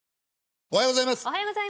おはようございます。